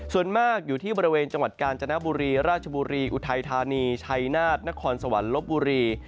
ส่วนมากอยู่ที่บริเวณจังหวัดกาญจนบุรีราชบุรีอุทัยธานีชัยนาฏนครสวรรค์ลบบุรี